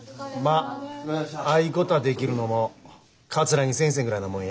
まあああいうことができるのも桂木先生ぐらいなもんや。